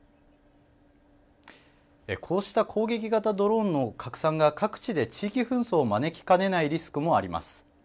こうした攻撃型ドローンの拡散が各地で地域紛争を招きかねないリスクもあります。